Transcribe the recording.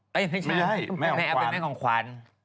ไม่ใช่ไม่เอาเป็นแม่ของขวัญ